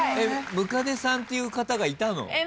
百足さんっていう方がいたの？